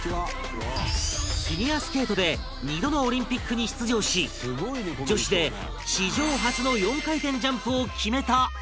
フィギュアスケートで２度のオリンピックに出場し女子で史上初の４回転ジャンプを決めた安藤